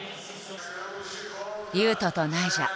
雄斗とナイジャ。